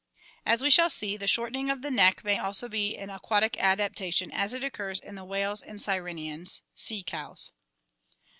As we shall see, the shortening of the neck may be also an aquatic adaptation, as it occurs in the whales and sirenians (sea cows).